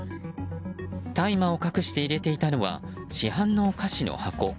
大麻を隠して入れていたのは市販のお菓子の箱。